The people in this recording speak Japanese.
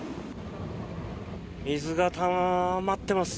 水がたまってます。